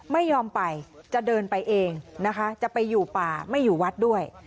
ไม่ยอมไปจะเดินไปเองนะคะจะไปอยู่ป่าไม่อยู่วัดด้วย